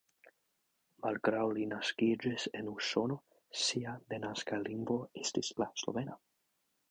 Malgraŭ li naskiĝis en Usono, sia denaska lingvo estis la slovena.